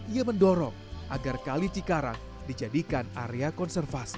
ia mendorong agar kali cikarang dijadikan area konservasi